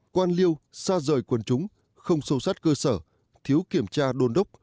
quan liêu xa rời quần chúng không sâu sát cơ sở thiếu kiểm tra đồn đốc